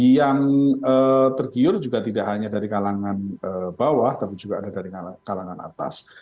yang tergiur juga tidak hanya dari kalangan bawah tapi juga ada dari kalangan atas